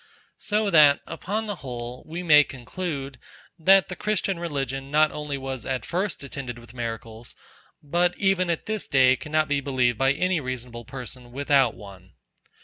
So that, upon the whole, we may conclude, that the Christian Religion not only was at first attended with miracles, but even at this day cannot be believed by any reasonable person without one.